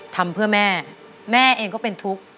ทำเพื่อแม่แม่เองก็เป็นทุกข์